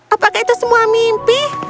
apakah itu semua mimpi